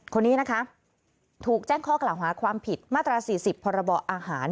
คนนี้นะคะถูกแจ้งข้อกล่าวหาความผิดมาตรา๔๐พรบอาหาร